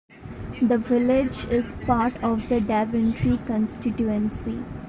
The village is part of the Daventry constituency.